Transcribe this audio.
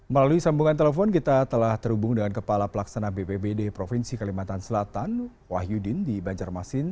melalui sambungan telepon kita telah terhubung dengan kepala pelaksana bpbd provinsi kalimantan selatan wahyudin di banjarmasin